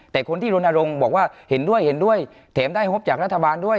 แต่คนที่รณรงค์บอกว่าเห็นด้วยเห็นด้วยแถมได้งบจากรัฐบาลด้วย